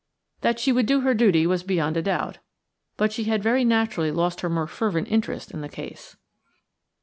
That she would do her duty was beyond a doubt, but she had very naturally lost her more fervent interest in the case.